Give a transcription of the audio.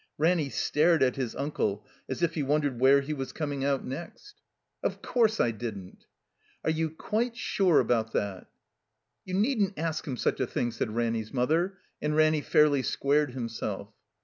Ranny stared at his xmde as if he wondered where he was coming out next. 26s til II' THE COMBINED MAZE ''Of course I didn't." "Are — ^you — quite — sure about that?" ''You needn't ask him such a thing," said Ranny's mother; and Ranny fairly squared himself.